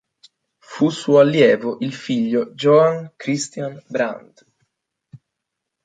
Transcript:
Fu suo allievo il figlio Johann Christian Brand.